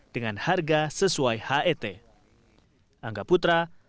dengan harga sesuai het